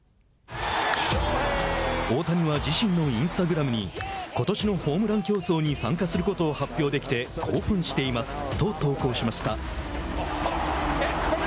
大谷は自身のインスタグラムに「ことしのホームラン競争に参加することを発表できて興奮しています」と投稿しました。